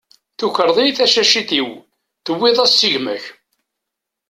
Tukreḍ-iyi tacacit-iw, tewwiḍ-as-tt i gma-k.